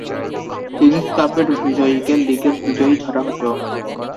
Kings কাপের বিজয়ীকে লীগের বিজয়ী ধরা হতো।